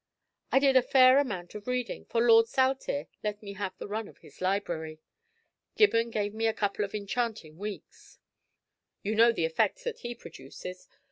I did a fair amount of reading, for Lord Saltire let me have the run of his library. Gibbon gave me a couple of enchanting weeks. You know the effect that he produces.